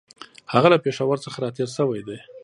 هغه له پېښور څخه را تېر شوی دی.